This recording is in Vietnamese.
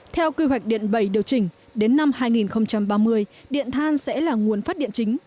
theo quy hoạch điện bảy điều chỉnh đến năm hai nghìn ba mươi điện than sẽ là nguồn phát điện chính